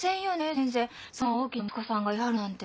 全然そんな大きな息子さんがいはるなんて。